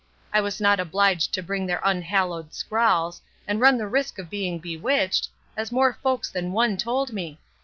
I was not obliged to bring their unhallowed scrawls, and run the risk of being bewitched, as more folks than one told me.